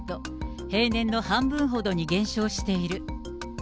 平年の半分ほどに減少している。